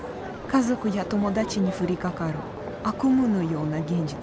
家族や友達に降りかかる悪夢のような現実。